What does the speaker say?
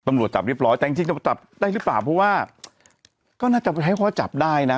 ตำรวจจับเรียบร้อยแต่จริงจริงจะจับได้หรือเปล่าเพราะว่าก็น่าจะให้เขาจับได้นะ